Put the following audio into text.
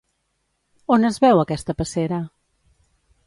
On es veu aquesta passera?